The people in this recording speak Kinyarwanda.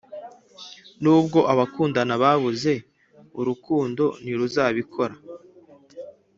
nubwo abakundana babuze urukundo ntiruzabikora;